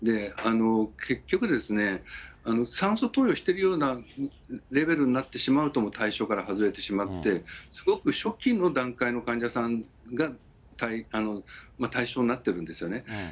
結局ですね、酸素投与しているようなレベルになってしまうと、もう対象から外れてしまって、すごく初期の段階の患者さんが対象になってるんですよね。